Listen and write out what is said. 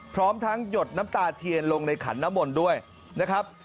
พร้อมทั้งหยดน้ำตาเทียนลงในขันน้ำมนต์ด้วยนะครับ